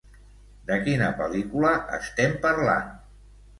De quina pel·lícula estem parlant?